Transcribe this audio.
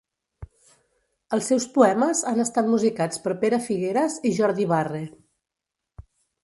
Els seus poemes han estat musicats per Pere Figueres i Jordi Barre.